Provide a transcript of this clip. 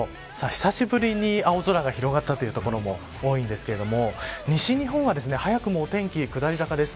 久しぶりに青空が広がった所も多いんですが西日本は早くもお天気下り坂です。